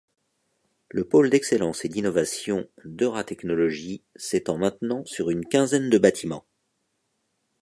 Le pôle d'excellence et d'innovation d'EuraTechnologies s'étend maintenant sur une quinzaine de bâtiments.